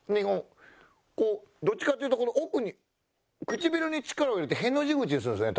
こうどっちかというとこの奥に唇に力を入れてへの字口にするんですね